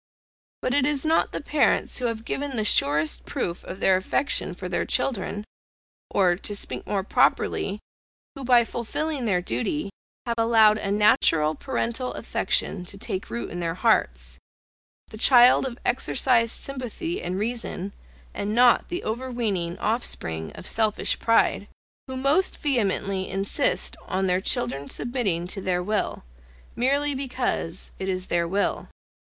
But it is not the parents who have given the surest proof of their affection for their children, (or, to speak more properly, who by fulfilling their duty, have allowed a natural parental affection to take root in their hearts, the child of exercised sympathy and reason, and not the over weening offspring of selfish pride,) who most vehemently insist on their children submitting to their will, merely because it is their will.